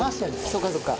そうかそうか。